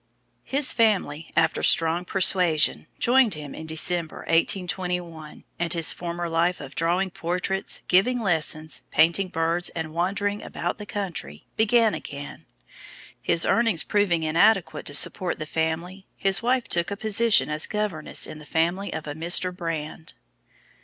His family, after strong persuasion, joined him in December, 1821, and his former life of drawing portraits, giving lessons, painting birds, and wandering about the country, began again. His earnings proving inadequate to support the family, his wife took a position as governess in the family of a Mr. Brand.